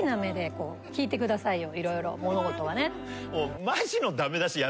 聴いてくださいよいろいろ物事はね。